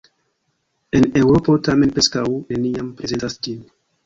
En Eŭropo tamen preskaŭ neniam prezentas ĝin.